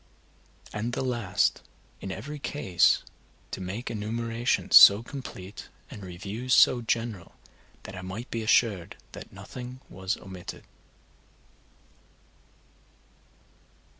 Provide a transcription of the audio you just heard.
And the last, in every case to make enumerations so complete, and reviews so general, that I might be assured that nothing was omitted.